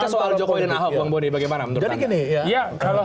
kembali ke soal jokowi dan ahok bang bodi bagaimana menurut anda